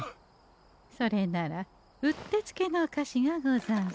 それならうってつけのお菓子がござんす。